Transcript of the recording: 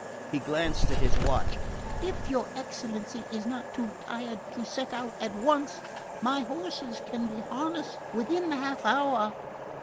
He glanced at his watch. "If your excellency is not too tired to set out at once, my horses can be harnessed within the half hour."